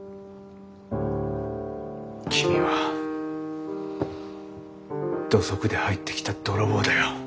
君は土足で入ってきた泥棒だよ。